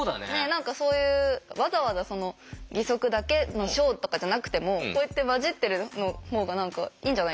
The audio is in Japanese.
何かそういうわざわざ義足だけのショーとかじゃなくてもこうやって交じってる方が何かいいんじゃないかな。